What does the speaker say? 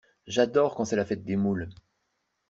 J'adore quand c'est la fête des moules.